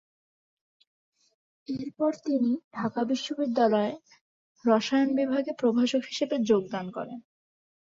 এরপর তিনি ঢাকা বিশ্ববিদ্যালয়ে রসায়ন বিভাগে প্রভাষক হিসেবে যোগ দেন।